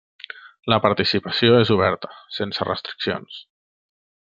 La participació és oberta, sense restriccions.